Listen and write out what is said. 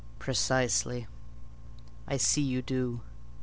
"Precisely: I see you do.